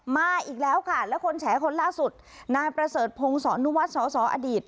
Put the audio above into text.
มาอีกแล้วค่ะแล้วคนแฉคนล่าสุดนายประเสริฐพงศรนุวัฒน์สอสออดีต